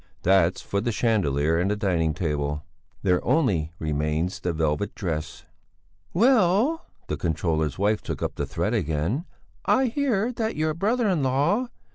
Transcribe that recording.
That's for the chandelier and the dining table. There only remains the velvet dress. "Well," the controller's wife took up the thread again, "I hear that your brother in law...."